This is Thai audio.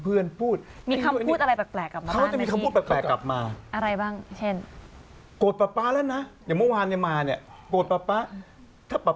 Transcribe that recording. อืมแล้วอันนี้เค้าอาจจะเรียนแบบบุคลิกของพ่อแม่มา